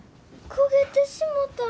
焦げてしもた。